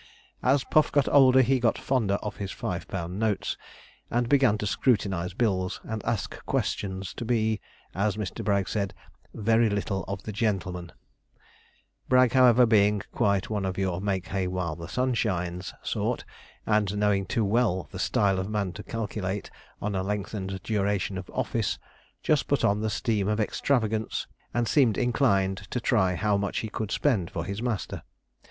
As Puff got older he got fonder of his five pound notes, and began to scrutinize bills and ask questions; to be, as Mr. Bragg said, 'very little of the gentleman'; Bragg, however, being quite one of your 'make hay while the sun shines' sort, and knowing too well the style of man to calculate on a lengthened duration of office, just put on the steam of extravagance, and seemed inclined to try how much he could spend for his master.